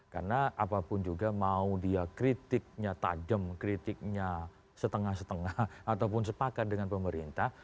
karena apapun juga mau dia kritiknya tajam kritiknya setengah setengah ataupun sepakat dengan pemerintah